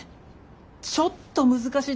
ちょっと難しいですね